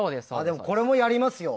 これもやりますよ。